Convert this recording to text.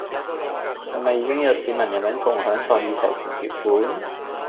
係咪已經有市民用緊共享創意授權條款？